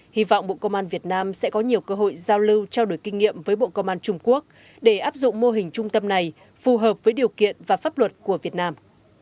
hy vọng bộ công an việt nam sẽ có nhiều cơ hội giao lưu trao đổi kinh nghiệm với bộ công an trung quốc để áp dụng mô hình trung tâm này phù hợp với điều kiện và pháp luật của việt nam